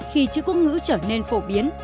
khi chữ quốc ngữ trở nên phổ biến